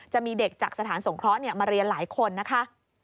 จะมีเด็กจากสถานสงเคราะห์มาเรียนหลายคนนะคะ